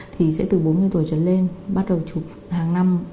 thì sẽ từ bốn mươi tuổi trở lên bắt đầu chụp hàng năm